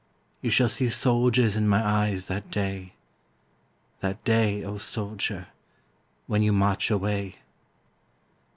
You shall see soldiers in my eyes that day That day, O soldier, when you march away.